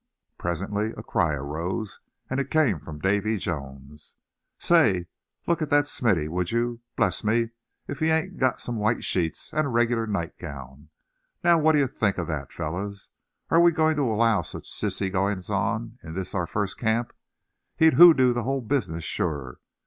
Presently a cry arose, and it came from Davy Jones. "Say, look at that Smithy, would you; bless me if he ain't got some white sheets, and a regular nightgown. Now, what dye think of that, fellows? Are we going to allow such sissy goings on in this, our first camp? He'd hoodoo the whole business, sure.